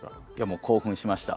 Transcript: もう興奮しました。